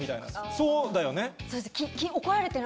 そうだよね？